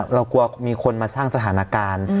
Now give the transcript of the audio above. เรากลัวมีคนมาสร้างสถานการณ์